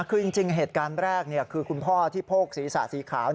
คือจริงเหตุการณ์แรกคือคุณพ่อที่โพกศีรษะสีขาว